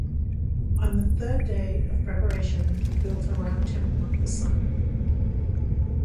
On the third day of preparation, they built a round temple of the Sun.